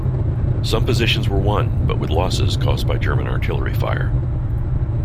Some positions were won, but with losses caused by German artillery fire.